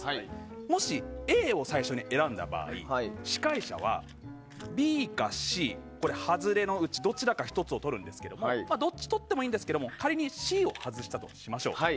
もし、最初にＡを選んだ場合司会者はＢかＣ、外れのうちどちらか１つをとるんですがどっちをとってもいいんですが仮にＣを外したとしましょう。